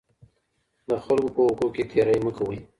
د خلګو په حقوقو کي تېری مه کوئ.